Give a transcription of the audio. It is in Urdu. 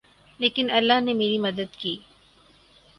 لیکن اللہ نے میری مدد کی